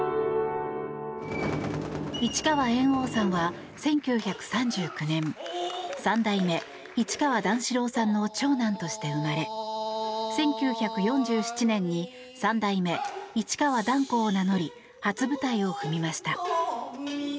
市川猿翁さんは１９３９年三代目・市川段四郎さんの長男として生まれ１９４７年に三代目市川團子を名乗り初舞台を踏みました。